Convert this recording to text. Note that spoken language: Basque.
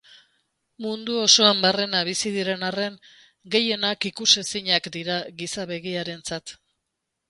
Mundu osoan barrena bizi diren arren, gehienak ikusezinak dira giza begiarentzat.